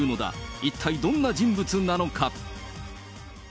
一体どんな人物なのか。